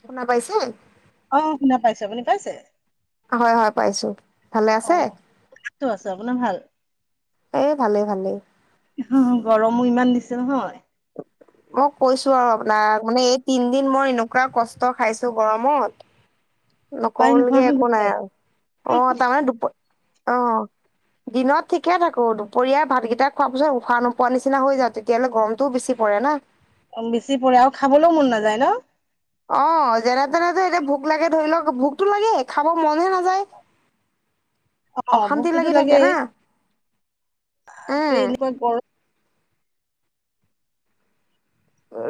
শুনা পাইছে। পাইছে আপুনি পাইছে। হয় হয় পাইছো ভালে অ আছে? টো আছে আপোনাৰ ভাল এ ভালেই ভালেই মোৰ ইমান দিছে নহয় মই কৈছো আৰু আপোনাক মানে এই তিনদিন মই এনেকুৱা কষ্ট খাইছো গৰমত উপায় নোহোৱা নকবলগীয়া হৈ একো নাই গৈছে আৰু অ তাৰমানে দুপ অ দিনত ঠিকে থাকোঁ দুপৰীয়া ভাতকেইটা খোৱাৰ পিছত উশাহ নোপোৱা নিচিনা হৈ যা তেতিয়ালে গৰমতোও বেছি পৰে ন। বেছি পৰে আৰু খাবলৈও মন নাযায় ন। অ যেনে তেনেতো এতিয়া ভো ভোক লাগে ধৰি লওঁক ভোকতো লাগে খাব মনে নাযায়। অ অশান্তি ভোকটোতো লাগি থাকে লাগেই না উম, বাপৰে এনেকুৱা গৰম।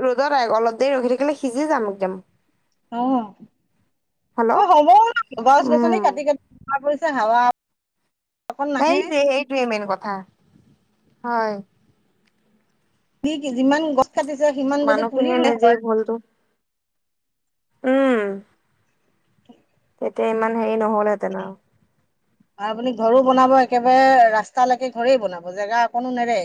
ৰ'দত আহ অলপ দেৰি ৰখি থাকিলে সিজি যাম একদম। অ অ হেল্ল' হ'ব ন গছ উম, গছনি কাটি কাটি হাৱা। অকন নাহে সেইটোৱে সেইটোৱে মেইন কথা হয় কি কি যিমান গছ কাটিছে সিমান যদি পুলি মানুহখিনিয়ে ৰুলে নিজেই হয় ভুলতো উম তেতিয়া ইমান হেৰি নহ'লহেঁতেন আৰু আৰু আপুনি ঘৰো বনাব একেবাৰে ৰাস্তালৈকে ঘৰেই বনাব জেগা অকনো নেৰে।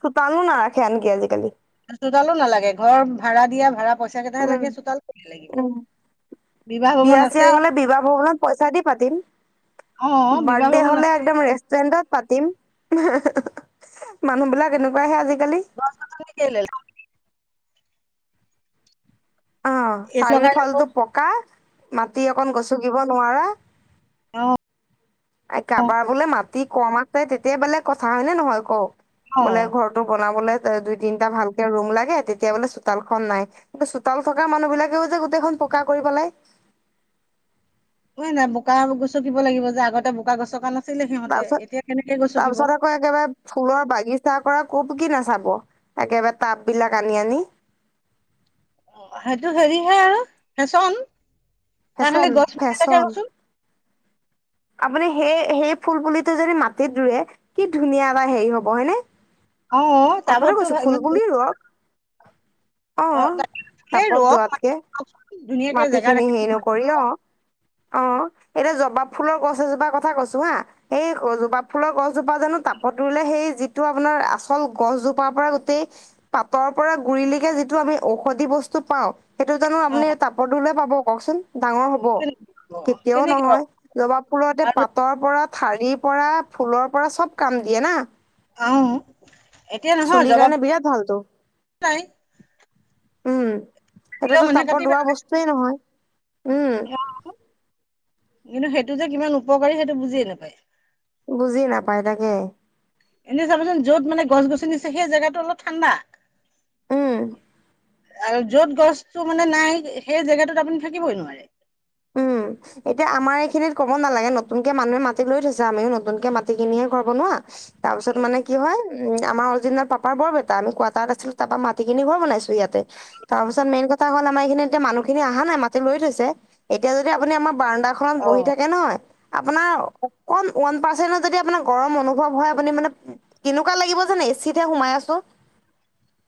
চোতালু নাৰাখে আনকি আজিকালি। চোতালো নালাগে ঘৰ ভাড়া দিয়া ভাড়া পইচা কেইটাহে উম লাগে চোতাল কেলে লাগিব। উম বিবাহ ভৱন বিয়া চিয়া আছেই হ'লে বিবাহ ভৱনত পইচা দি পাতিম। অ বিবাহ বাৰ্ডে ভৱন আছে হ'লে একদম ৰেষ্টুৰেণ্টত পাতিম মানুহ বিলাক এনেকুৱাহে আজি গছ গছনি কেলে লাগে অ এচি চাৰিও লগাই ল'ব ফালটো পকা মাটি অকণ গছকিব নোৱাৰা আহ কাবাৰ বোলে মাটি কম আছে তেতিয়া বেলেগ কথা হয় নে নহয় ক অ বোলে ঘৰটো বনাবলে দুই তিনিটা ভালকে ৰুম লাগে তেতিয়া বোলে চোতাল খন নাই কিন্তু চোতাল থকা মানুহ বিলাকেও যে গোটেইখন পকা কৰিপেলাই হয় নাই বোকা গছকিব লাগিব যে আগতে বোকা গছকা নাই তাৰপিছত তাৰপিছত আকৌ একেবাৰে ফুলৰ বাগিচা কৰা ক'ব কি নাচাব একেবাৰে টাব বিলাক আনি আনি অ সেইটো হেৰিহে আৰু ফেচন তাৰ ফেশ্বন খালি গছ পুলি এটাকে ফেশ্বন ৰুচোন আপুনি সেই সেই ফুল পুলিটো যদি মাটিত ৰুৱে কি ধুনীয়া এটা হেৰি হ'ব হয়নে অ কথাটো টাবততো কৈছো ফুল ইমান পুলি ৰুৱক অ তাকে ফুলে ৰুৱক [unintelligible] জেগা মাটিখিনি ৰাখিব হেই মাটি নকৰি ন ৰুৱক অ এতিয়া জবাব ফুলৰ গছ এজোপাৰ কথা কৈছো হা সেই জবাব ফুলৰ গছজোপা জানো তাবত ৰুলে সেই যিটো আপোনাৰ আচল গছজোপাৰ পৰা গোটেই পাতৰ পৰা গুৰিলেকে যিটো আমি ঔষধি বস্তু পাও সেইটো জানো অ আপুনি তাপত ৰুলে পাব কওকচোন ডাঙৰ হব কেনেকে পাব, কেতিয়াও কেনেকে পাব নহয় জবাফুলৰতে আৰু পাতৰ পৰা ঠাৰিৰ পৰা ফুলৰ পৰা চব কাম দিয়ে না আহ এতিয়া নহয় চুলিৰ জবাব কাৰণে বিৰাট ভালতো নাই উম কাটিলেও সেইটোতো মানুহে তাপত ৰুৱা বস্তুয়েই নহয় উম অ কিন্তু সেইটো যে কিমান উপকাৰী সেইটো বুজিয়ে নাপায় বুজি নাপাই তাকে এনেই চাবচোন যত মানে গছ গছনি আছে সেই জেগাটো অলপ ঠাণ্ডা উম আৰু য'ত গছতটো মানে নাই সেই জেগাটোত আপুনি থাকিবই নোৱাৰে উম এতিয়া আমাৰ এইখিনিত ক'ব নালাগে নতুনকে মানুহে মাটি লৈ থৈছে আমিও নতুনকে মাটি কিনিহে ঘৰ বনোৱা তাৰ পিছত মানে কি হয় উম আমাৰ অৰ্জিনৰ পাপাৰ বৰ বেটা আমি কোৱাৰটাৰত আছিলো তাৰ পৰা মাটি খিনি ঘৰ বনাইছো ইয়াতে তাৰ পিছত মেইন কথা হ'ল আমাৰ এইখিনি এতিয়া মানুহখিনি অহা নাই মাতি লৈ থৈছে এতিয়া যদি আপুনি আমাৰ বাৰাণ্ডাখনত বহি অ', থাকে নহয়। আপোনাৰ অকন ওৱান মাৰ্চেন্ট যদি আপোনাৰ গৰম অনুভৱ হয় আপুনি মানে কেনেকোৱা লাগিব যানে। এ চিতহে সোমাই আছোঁ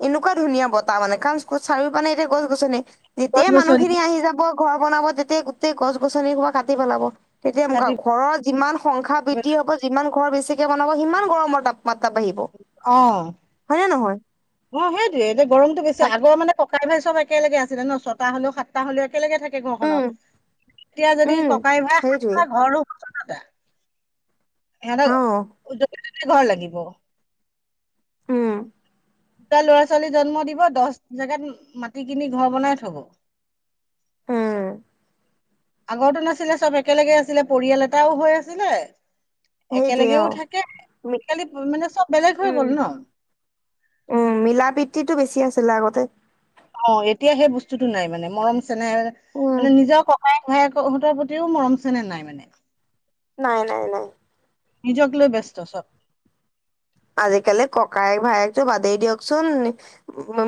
এনেকোৱা ধুনীয়া বতাহ মানে কাৰণ চাৰিও পিনে এতিয়া গছ গছনি গছ যেতিয়াই গছনি মানুহখিনি আহি যাব ঘৰ বনাব তেতিয়াই গোটেই গছ গছনি বোৰ কাটি পেলাব তেতিয়া ম কাটি ঘৰৰ যিমান সংখ্যা বৃদ্ধি হব যিমান ঘৰ বেছিকে বনাব সিমান গৰমৰ তাপ মাতা বাঢ়িব অ', হয় নে নহয় অ সেইটোয়ে এতিয়া গৰমতটো বেছি তাক আগ মানে ককাই ভাই চব একেলগে আছিলে ন ছটা হ'লেও সাতটা হলেও একেলগে থাকে উম ঘৰখনত এতিয়া যদি উম ককাই ভাই সেইটোৱে সাতটা ঘৰ সিহঁত অ য ঘৰ লাগিব উম দুটা লৰা ছোৱালী জন্ম দিব দহ জেগাত মাটি কিনি ঘৰ বনাই থব উম আগতো নাছিলে চব একেলগে আছিলে পৰিয়াল এটাও হৈ আছিলে সেইটোৱে একেলগেও অ থাকে মি- আজিকালি মানে চব বেলেগ হৈ উম গল ন উম মিলা প্ৰীতিটো বেছি আছিলে আগতে অ এতিয়া সেই বস্তুতো নাই মানে মৰম চেনেহে উম মানে নিজৰ ক ককায়েক ভায়েক হঁতৰ প্ৰতিও মৰম চেনেহ নাই মানে নাই নাই নাই নিজক লৈ ব্যস্ত চব আজিকালি ককায়েক ভায়েকটো বাদেই দিয়কচোন উ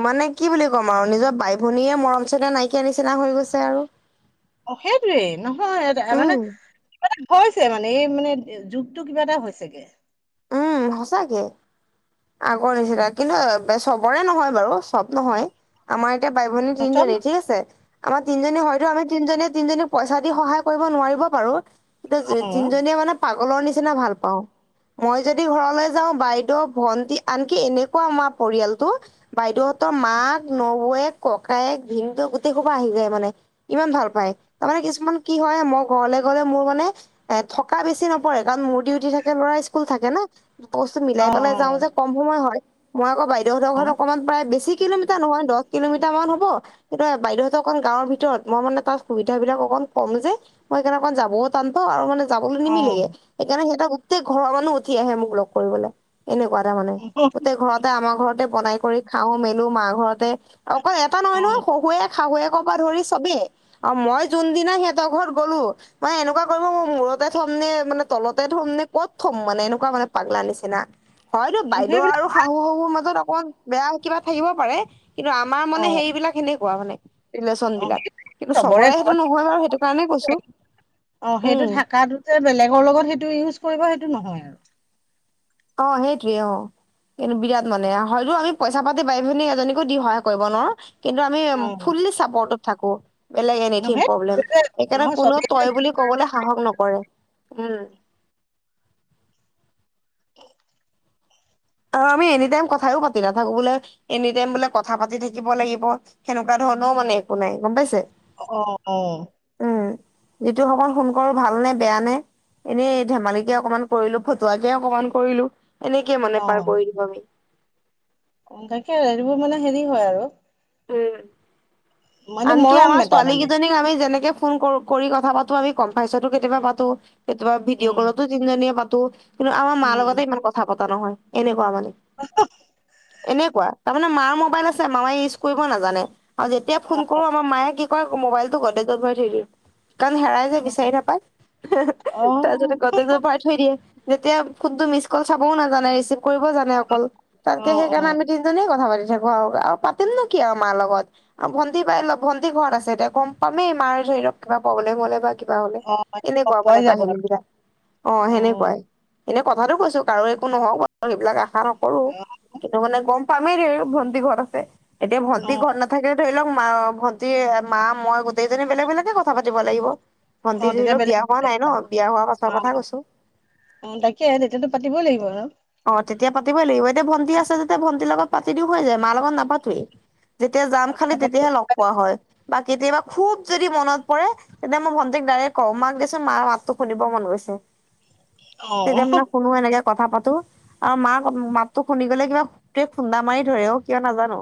মানে কি বুলি ক'ম আৰু নিজৰ ভাই ভনীয়ে মৰম চেনেহ নাইকিয়া নিচিনা হৈ গৈছে আৰু অ সেইটোৱেই নহয় এ মানে উম মানে হৈছে মানে এই মানে যুগতটো কিবা এটা হৈছেগে উম সঁচাকে আগৰ নিচিনা কিন্তু চবৰে নহয় বাৰু চব নহয় আমাৰ এতিয়া বাই ভনী চব তিনজনী ঠিক আছে আমাৰ তিনিজনী হয়তো আমি তিনিজনী তিনজনীক পইচা দি সহায় কৰিব নোৱাৰিব পাৰো এতিয়া অ তিনজনীয়ে মানে কলৰ নিচিনা ভাল পাওঁ মই যদি ঘৰলৈ যাও বাইদেউ ভন্টি আনকি এনেকোৱা আমাৰ পৰিয়ালতটো বাইদেউহতৰ মাক নবৌৱেক ককায়েক ভিনদ গোটেই স পৰা আহি যায় মানে ইমান ভাল পায় তাৰমানে কি কিছুমান কি হয় মই ঘৰলে গ'লে মোৰ মানে এ থকা বেছি নপৰে কাৰণ মোৰ ডিউটি থাকে ল'ৰা স্কুল থাকে না বস্তু মিলাই অ পেলাই যাওঁ যে কম সময় হয় মই আকৌ বাই তেহতৰ ঘৰৰত অকমান প্ৰায় বেছি কিলোমিটাৰ নহয় দহ কিলোমিটাৰ মান হ'ব সেইয়া বাইদেউহত অকমাণ গাঁৱৰ ভিতৰত মই মানে তাৰ সুবিধা বিলাক অক কম যে মই সনেকণ যাবও টান পাও আৰু মানে যাবলৈ অ অ নিমিলেগে সেইকাৰণে সিহত গোটেই ঘৰৰ মানুহ উঠি আহে মোক লগ কৰিবলে এনেকোৱা এটা মানে গোটেই ঘৰতে আমাৰ ঘৰতে বনাই কৰি খাও মেলো মা ঘৰতে অকল এটা অ নহয় ন শহুৱে শাহুৱে ক পৰা ধৰি চবেই আৰু মই যোনদিনা সিহঁতৰ ঘৰত গ'লো মই এনেকোৱা কৰিব ম ম তে থম নে মানে তলতে থ'ম নে ক'ত থম মানে এনেকোৱা মানে পাগলা নিচিনা হয়তো বাইদেউ সেইবিলাক আৰু শাহু শহুৰ মাজত অকণ বেয়া কিবা থাকিব পাৰে কিন্তু আমাৰ অ মানে সেইবিলাক সেনেকোৱা মানে ৰিলেচন অ বিলাক সেই কিন্তু চবৰে সেইটো ঘৰত নহয় বাৰু সেইটো কাৰণেই কৈছো অ সেইটো উম থকাটোতে বেলেগৰ লগত সেইটো ইউজ কৰিব সেইটো নহয় আৰু অ সেইটোৱে অহ কিন্তু বিৰাট মানে হয়তো আমি পইচা পাতি বাই ভনী এজনীকো দি সহায় কৰিব নোৱাৰো। কিন্তু আমি অ ফুললি থাকো। বেলেগ এনিথিং নহয় প্ৰব্লেম সেইকাৰণে নহয় কোনো চবেই যে তই বুলি কবলৈ সাহস নকৰে। উম। অ আমি এনি টাইম কথও পাতি নাথাকো বোলে এনি টাইম বোলে কথা পাতি থাকিব লাগিব সেনেকুৱা ধৰণ। ন মানে একো নাই গম পাইছে। অ অ' উম যিটো সকল সোন কৰো ভাল নে বেয়া নে। এনেই ধেমালিকে অকনমান কৰিলো ফতুৱাকে অকনমান কৰিলো এনেকে। মানে পাৰ কৰি দিম আমি। অ তাকে আৰু এইবোৰ মানে হেৰি হয় আৰু উম মানে আনকি মৰম আমাৰ এটা ছোৱালী মানে কেইজনীক আমি যেনেকে ফোন কৰি কথা পাতো, আমি কম পাইচাতো, কেতিয়াবা পাতো, কেতিয়াবা ভিডিঅ' উম কলতো তিনিজনীয়ে পাতো, কিন্তু আমাৰ মাৰ লগতে ইমান কথা পতা নহয় এনেকুৱা মানে হাঃহাঃ। এনেকুৱা তাৰমানে মাৰ মোবাইল আছে মায়ে ইউজ কৰিব নাজানে আৰু যেতিয়া ফোন কৰো আমাৰ মায়ে কি মোবাইলতো গ্ৰদেজত ভৰাই থৈ দিয়ে। কাৰণ হেৰাই যায় বিচাৰি নাপায় অ তাৰপিছতে গদজৰ পাৰ থৈ দিয়ে। তেতিয়া কোনটো মিচ কল চাবও নাজানে। কৰিব জানে অকল অ তাতকে অ সেইকাৰণে আমি তিনিজনে কথা পাতি থাকো, আৰু তেমনো কি আৰু মাৰ লগত আৰু ভন্টি পাই ভন্টি ঘৰত আছে এতিয়া গম পামেই মাৰ ধৰিক কিবা প্ৰব্লেম হলে বা কিবা হলে অ অ এনেকুৱা পোৱাই মানে যাব কাহিনী আৰু বিলাক অ সেনেকুৱাই এনেকুৱাই কথাাতটো কৈছো কাৰো একো নহওক সবিলাক আশা নকৰো অ কিন্তু মানে গম পামেই ভন্টি ঘৰ আছে এতিয়া অ ভন্টি ঘৰ নাথাকিলে ধৰি লওক ভন্টি মা মই গোটেইজনী বেলেগ বেলেগে কথা পাতিব লাগিব। ভণ্টি অ ধৰি তেতিয়া লওক বেলেগ বিয়া হোৱা নাই ন বিয়া হোৱা পাছৰ অ কথা কৈছো। অ তাকে আহে তেতিয়াতো পাতিবই লাগিব আৰু অ তেতিয়া পাতিবই লাগিব এতিয়া ভণ্টি আছে যেতিয়া ভন্টিৰ লগত পাতি দিও হৈ যায় মা লগত নাপাতোৱেই। যেতিয়া যাম খালি তেতিয়াহে লগ পোৱা হয় বা কেতিয়াবা। খুব যদি মনত পৰে তেতিয়া মই ভণ্টিক ডাইৰেক্ কওঁ মাক দেচোন মাৰ মাতটো শুনিব মন গৈছে। অ তেতিয়া মানে শুনো এনেকে কথা পাতো। আৰু মাক মাতটো শুনি গ'লে কিবা সটে খুন্দা মাৰি ধৰে অ কিয় নাজানো।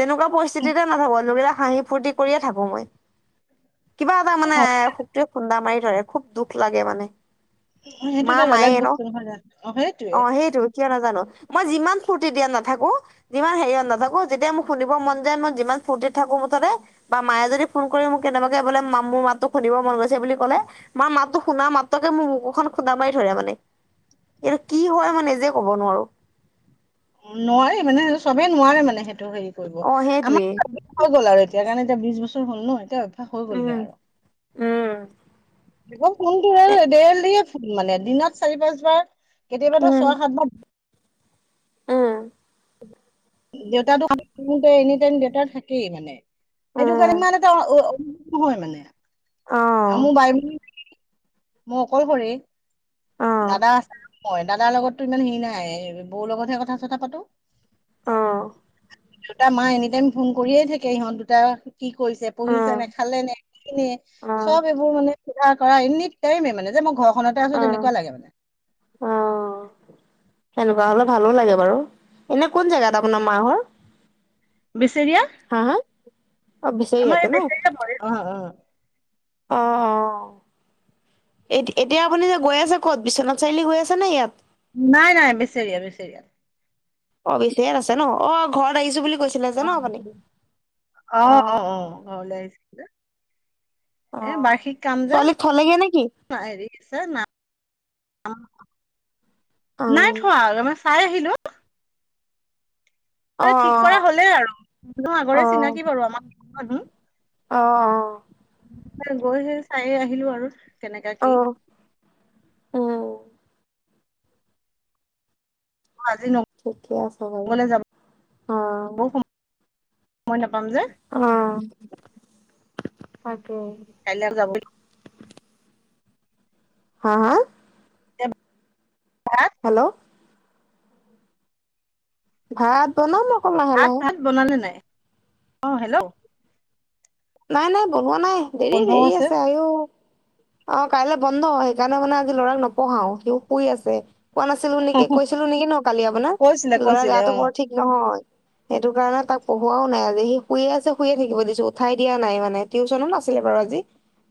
তেনেকুৱা পৰিস্থিতিতে নাথাকো লাগিলে হাঁহি ফূুৰ্তি কৰিয়ে থাকো মই, কিবা এটা মানে এ সুকে খুন্দা মাৰি ধৰে খুব দুখ লাগে মানে অ সেইটো মা এটা বেলেগ মায়ে ন বস্তু নহয় অ সেইটো অ সেইটো কিয় নাজানো। মই যিমান ফূুৰ্তি দিয়া নাথাকো যিমান হেৰি নাথাকো যেতিয়া মোক শুনিব মন যায় মই যিমান ফফুৰ্তি থাকো। মুঠতে বা মায়ে যদি ফোন কৰি মোক কেনেবাকে বোলে মোৰ মাতোক শুনিব মন গৈছে বুলি ক'লে মাৰ ম। শুনা মাত্ৰকে মোৰ বকুখন খুন্দা মাৰি ধৰে মানে। কি হয় মই নিজে কব নোৱাৰো। অ নোৱাৰে মানে চবেই নোৱাৰে মানে সেইটো। হেৰি কৰিব অ সেইটোৱেই আমাৰ হৈ গ'ল আৰু এতিয়া কাৰণে এতিয়া বিশ বছৰ হ'ল ন এতিয়া। হৈ গ'লগে উম আৰু উম আকৌ ফোনটো এ দে দিয়ে ফোন মানে দিনত চাৰি পাঁচবাৰ। কেতিয়াবাতো উম ছয় সাত বাৰ‌ উম দেউতাকে এনিটাইম দেউতা থাকেই মানে সেইটো কাৰণে উম ইমান টো। নহয় মানে অ আৰু মোৰ বাই মই অকলশৰে। অ অ দাদা আছে মই দাদাৰ লগতো ইমান হেৰি নাই বৌ লগতহে কথা চথা পাতো। আহ দেউতা মাই এনি টাইম ফোন কৰিয়ে থাকে ইহঁত দুটা কি কৰিছে অ অ পঢ়িছে নে খালে নে নে চব এইবোৰ মানে উঠা কৰা এনে টাইমে মানে যে মই ঘৰ‌ খনতে অ আছো তেনেকুৱা লাগে মানে। অ সেনেকুৱা হলে ভালো লাগে বাৰু এনে কোন জেগাত আপোনাৰ মা‌ ঘৰ হা হা অ বেচৰীয়া আমাৰ বিচাৰিয়াতে এই ন বেচৰ অ অ অ অ এ এতিয়া আপুনি যে গৈ আছে ক'ত বিশ্বনাথ চাৰিআলি গৈ আছে নে ইয়াত নাই নাই বেচৰিয়া বেচৰিয়া অ বেছিয়ে আছে ন অ ঘৰত আহিছো বুলি কৈছিলে যে অ ন আপুনি অ অ অ অ ঘৰলে আহিছো যে অ এ বাৰ্ষিক কাম যে ছোৱালীক থলেগে নেকি হেৰি ন অ নাই থোৱা আৰু চাই আহিলো অ মই ঠিক কৰা অ হ'লেই আৰু মানুহ আগৰে চিনাকি বাৰু আমাৰ ঘৰ মানুহ অ অ গৈ সেই চাইয়ে আহিলো আৰু কেনেকা অ কি? অ উম অ ঠিকে আছে বাৰু আজিগলে যাব অ ব নাপ [unintelligible] অ তাকে কাইলে আৰু যাব হা হা? হেল্ল'। ভাত বনাম। আহ হেল্ল'। নাই নাই বনোৱা নাই দেৰি দেৰি আছে আইঅ। অ কাইলৈ বন্ধ সেইকাৰণে মানে আজি লৰাক নপঢ়াও সিও শুই আছে। কোৱা নাছিলো নেকি কৈছিলো নেকি ন কালি আপোনাৰ কৈছিলে ল'ৰা কৈছিলে গাটো অ বৰ ঠিক নহয়। সেইটো কাৰণে তাক পঢ়ুৱাও নাই আজি সি শুইয়ে আছে শুয়ে থাকিব দিছো। উঠাই দিয়া নাই মানে টিউচন ও নাছিলে বাও আজি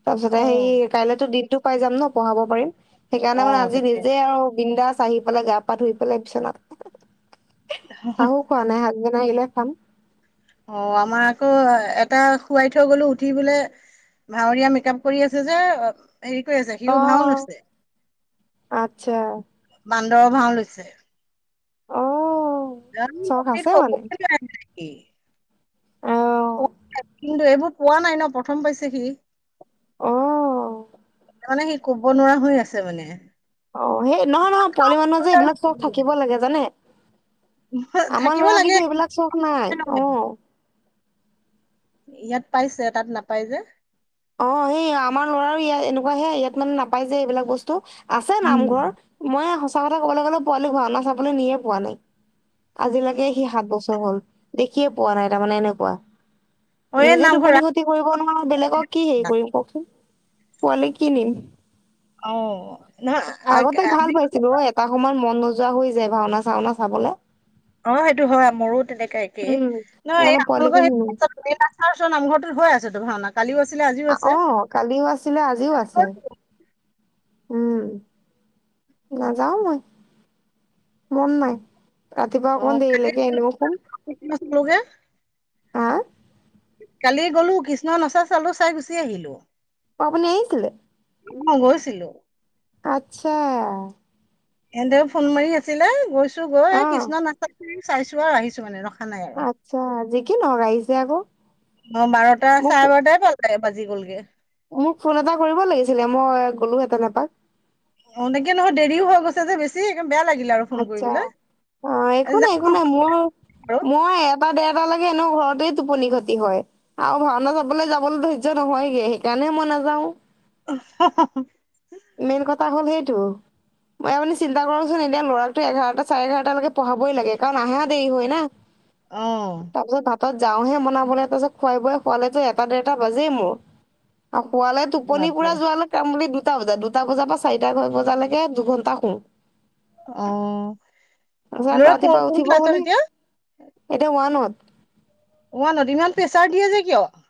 তাৰপাছত এ অ হেৰি কাইলৈ তৌ দিনটো পাই যাম ন পঢ়াব পাৰিম। সেইকাৰণে অ মানে আজি তাকে নিজে আও বিন্দাছ, আহি পেলাই গা পা ধুই পেলাই বিচনাত চাহো খোৱা নাই হাচবেন নাই আহিলে খাম। অ আমাৰ আকৌ এটা শুৱাই থৈ গলো উঠি বোলে, ভাৱৰীয়া মেকআপ কৰি আছে যে। হেৰি কৰি আছে অ সিও ভাওন লৈছে। আচ্ছা বান্দৰৰ ভাও লৈছে। অ। য চখ আছে ক মানে [unintelligible] অ কিন্তু এইবোৰ পোৱা নাই ন প্ৰথম পাইছে সি। অহ। তাৰমানে সি ক'ব নোৱাৰা হৈ আছে মানে,। অ সেই নহয় নহয় পোৱালি মানুহ যে এইবিলাক চব থাকিব লাগে জানে। আমাৰ থাকিব লৰা লাগে কিন্তু এইবিলাক চখ নাই অ। ইয়াত পাইছে তাত নাপাই যে। অ সেই আমাৰ লৰাও ইয়াত এনেকুৱা হে ইয়াত মানে নাপায় যে এইবিলাক বস্তু। আছে উম, নামঘৰ মই সঁচা কথা কবলৈ গ'লে পোৱালিক ভাওনা চাবলৈ নিয়ে পোৱা নাই। আজিলৈকে সি সাত বছৰ হল দেখিয়ে পোৱা নাই তাৰমানে এনেকুৱা। অ এই নিজে নামঘৰ টোপনি খতি কৰিব নোৱাৰো বেলেগক কি হেৰি কৰিম কওকচোন। পোৱালিক কি নিম, অ নহয় আগ আগতে আমি ভাল পাইছিলোঁ এটা সময় মন, যোৱা হৈ যায় ভাওনা চাওনা চাবলে। অ সেইটো হয় মোৰো তেনেকা একেই উম নহয় এই সেইকাৰণে নহয় পোৱালিকো আপোনালোকৰ নিনো হেৰি তাৰপিছত নামঘৰটোত হৈ আছে তো ভাওনা। কালিও আছিলে আজিও আছে। অ কালিও আছিলে আজিও আছে উম নাযাও মই। মন নাই ৰাতিপুৱা অকমান দেৰিলৈকে এনেও শুম। লোকে আহ? কালি গ'লো কৃষ্ণ নচা চলো চাই গুচি আহিলো। অ আপুনি আহিছিলে। অ গৈছিলো। আচ্ছা। এহেতে ফোন মাৰি আছিলে গৈছো গৈ অ কৃষ্ণ নাচাখিনি চাইছো আৰু আহিছো মানে। নাই আৰু আচ্ছা যি কি নহওক আহিছে আকৌ অ বাৰটা মোক চাৰে বাৰটাই পাল প্ৰায় বাজি গ'লগে। মোক ফোন এটা কৰিব লাগিছিলে মই গ'লো হেঁতেন এপাক। অ এনেকে নহয় দেৰিও হৈ গৈছে যে বেছি সেইকাৰণে আচ্ছা অ একো আজি নাই যাম একো নহয় নাই মোৰ আৰু মই এটা দেৰটা লৈকে এনেও ঘৰতে টোপনি খতি হয়, আৰু ভাওনা চাবলৈ যাবলৈ ধৰ্য নহয়গে। সেইকাৰণে নে মই নাযাওঁ। অহ হহ [unintelligible] মেইন কথা হ'ল সেইটো মই আপুনি চিন্তা কৰকচোন এ এতিয়া ল'ৰাটো এঘাৰটা চাৰে এঘাৰটা লৈকে পঢ়াবই লাগে। কাৰণ আহা দেৰি হয় না অ তাৰপিছত ভাতত যাওঁহে বনাবলৈ তাৰপিছত খুৱাই বোৱাই শুৱালেতো এটা ডেৰটা বাজেই মোৰ। আৰু শুৱালে টোপনি পুৰা বাপৰে যোৱা কাম বুলি দুটা বজাত দুটা বজাৰ পৰা চাৰিটা বজালৈকে দুঘন্টা শুওঁ অ তাৰপিছত আকৌ ল'ৰা ক ৰাতিপুৱা কোন উঠিব ক্লাছত হলেই এতিয়া এতিয়া ওৱানত। ৱানত ইমান প্ৰেছাৰ দিয়ে যে কিয়?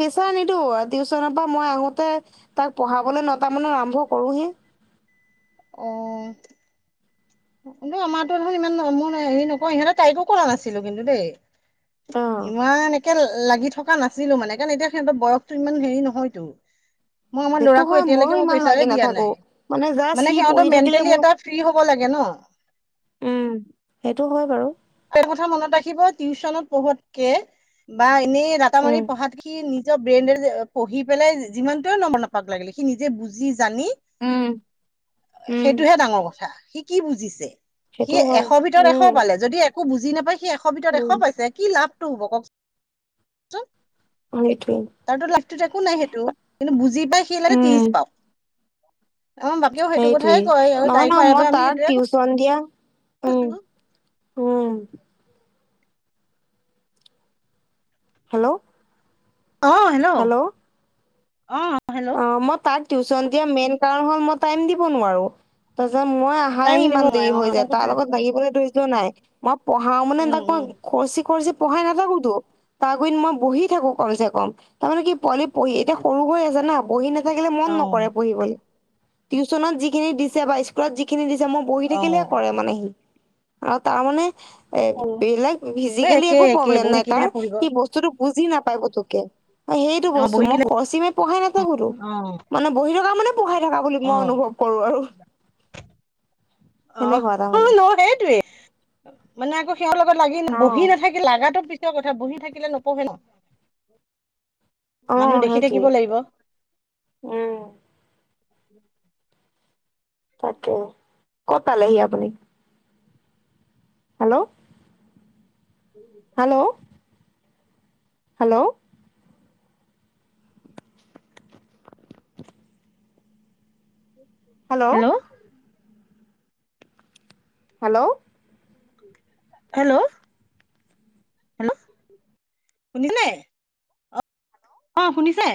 প্ৰেছাৰ নিদো টিউশচনৰ পৰা মই আহোতে তাক পঢ়াবলৈ নটা মানত আৰম্ভ কৰোহে। [inaudible] অ'। আমাৰতো দেখোন ইমান মই হেৰি নকওঁ ইহঁতৰ তাইকো কৰা নাছিলো কিন্তু দেই। অ ইমান একে লাগি থকা নাছিলো মানে কাৰণ এতিয়া সিহঁতৰ বয়সটো ইমান হেৰি নহয়তো। মই আমাৰ সেইটো ল'ৰাকো হয় ময়ো এতিয়ালৈকে মই ইমান প্ৰেছাৰে লাগি দিয়া নাথাকো নাই জাষ্ট সি মানে পঢ়ি সিহঁতৰ থাকিলে মেণ্টেলি মোৰ এটা ফ্ৰী হ'ব লাগে ন। উম সেইটো হয় বাৰু এটা কথা মনত ৰাখিব টিউচনত পঢ়োৱাতকে বা এনেই ৰাতা মাৰি উম পঢ়াত কি নি নিজৰ ব্ৰেনেদি পঢ়ি পেলাই যিমানটোৱে নম্বৰ নাপাক লাগিলে সি নিজে বুজি জানি উম উম সেইটোহে ডাঙৰ কথা সি কি বুজিছে। সি সেইটো হয় এশৰ ভিতৰত এশ উম পালে যদি একো বুজি নাপাই সি এশ ভিতৰত এশ উম পাইছে কি লাভটো হ'ব কওকচোন। সেইটোৱে তাৰ ত লাইফটোত একো নাই সেইটো কিন্তু বুজি পাই সেই লে ত্ৰিছ পাওক। আমাৰ বাপেও সেইটো সেইটোৱে কথাই কয় আৰু নহয় নহ মই তাৰ টিউচন দিয়া। কি উম কৈছিলো। উম হেল্ল' আহ হেল্ল' অ হেল্ল' অ মই তাক টিউচন দিয়া মেইন কাৰণ হ'ল মই টাইম দিব নোৱাৰো। যে মই আহাই টাইম দিব ইমান দেৰি হৈ নোৱাৰে অ যায় তাৰ কথা লগত লাগিবলৈ ধৰ্য্য নাই মই পঢ়াও মানে উম তাক ক উম খৰচি খৰচি পঢ়াই নাথাকোতো তাৰ আগত মই বহি থাকো কম চে কম তাৰমানে কি পোৱালি। পঢ়ি এতিয়া সৰু হৈ আছে না বহি নাথাকিলে মন অ নকৰে পঢ়িবলে। টিউশচনত যিখিনি দিছে বা স্কুলত যিখিনি দিছে মই বহি অ থাকিলেহে কৰে মানে সি। আৰু তাৰ মানে। এ সৰু বেলেগ এ ফিজিকেলি একে একো একে প্ৰব্লেম বহি নাই তাৰ থাকিলেহে পঢ়িব সি বস্তুটো বুজি নাপায় পুতুককে অ সেইটো অ বস্তু বহি মই থাকিলে খৰচি মাই পঢ়াই নাথা কোতো অ মানে বহি থকা মানে পঢ়াই থকা বুলি অ মই অনুভৱ কৰো আৰু অ সেনেকুৱা তাৰ মানে। ন সেইটোৱে মানে আকৌ সিহতৰ লগত লাগি অ বহি নাথাকিল লাগাতো পিছৰ কথা বহি থাকিলে নপঢ়ে ন মানুহ দেখি থাকিব সেইটোৱে লাগিব। উম [inaudible] তাকে ক'ত পালেহি আপুনি hello hello [inaudible] hello hello hello hello hello শুনিলে। অ শুনিছে।